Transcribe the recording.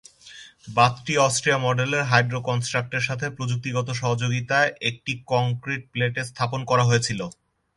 বাঁধটি Austria মডেলের হাইড্রো-কনস্ট্রাক্টের সাথে প্রযুক্তিগত সহযোগিতায় একটি কংক্রিট প্লেটে স্থাপন করা হয়েছিল।